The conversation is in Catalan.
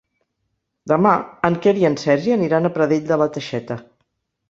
Demà en Quer i en Sergi aniran a Pradell de la Teixeta.